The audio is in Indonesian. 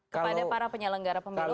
kepada para penyelenggara pemilu